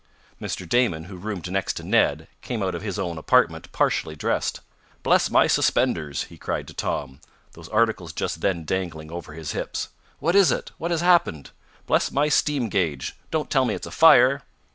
Mr. Damon, who roomed next to Ned, came out of his own apartment partially dressed. "Bless my suspenders!" he cried to Tom, those articles just then dangling over his hips. "What is it? What has happened? Bless my steam gauge, don't tell me it's a fire!"